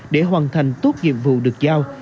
để hoàn thành tốt nhiệm vụ được giao